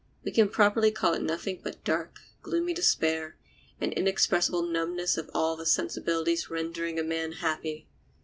We can properly call it nothing but dark, gloomy despair, an inexpressible numbness of all the sensibilities rendering a man happy.